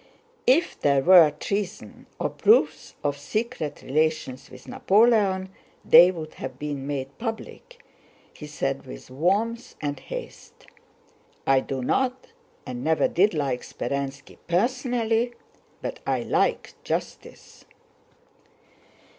"If there were treason, or proofs of secret relations with Napoleon, they would have been made public," he said with warmth and haste. "I do not, and never did, like Speránski personally, but I like justice!"